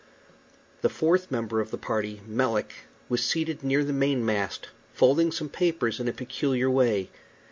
The fourth member of the party, Melick, was seated near the mainmast, folding some papers in a peculiar way.